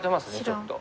ちょっと。